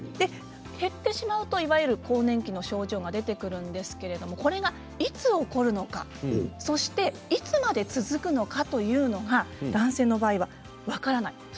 減ってしまうといわゆる更年期の症状が出てくるんですけれどもこれがいつ起こるのかそして、いつまで続くのかというのが男性の場合は分からない。